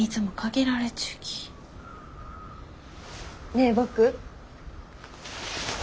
ねえ僕。